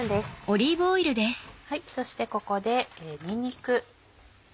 そしてここでにんにく。